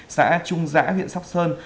xã trung giã huyện sóc sơn